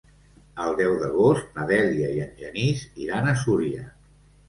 El deu d'agost na Dèlia i en Genís iran a Súria.